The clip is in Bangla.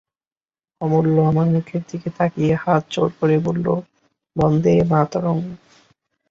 অমূল্য আমার মুখের দিকে তাকিয়ে হাত জোড় করে বললে, বন্দেমাতরং!